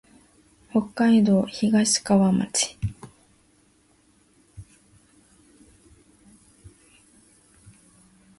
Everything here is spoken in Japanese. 北海道東川町